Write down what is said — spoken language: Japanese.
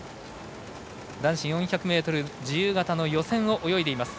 男子４００ｍの自由形の予選を泳いでいます。